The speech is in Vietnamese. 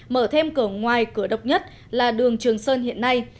mở thêm cửa ngoài cửa độc nhất là đường trường sơn hiện nay